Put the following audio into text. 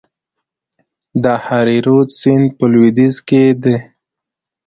د هریرود سیند په لویدیځ کې دی